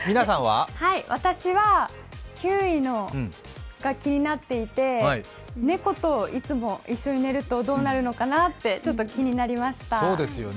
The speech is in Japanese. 私は９位が気になっていて、猫といつも一緒に寝るとどうなるのかなってちょっと気になりました。